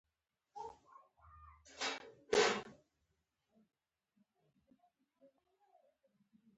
نور جنس نوم او جمع نوم راښيي.